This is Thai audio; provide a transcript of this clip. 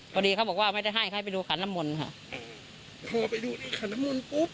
พอดีเขาบอกว่าไม่ได้ให้ให้ไปดูขันละมนต์ค่ะพอไปดูนี่ขันละมนต์ปุ๊บ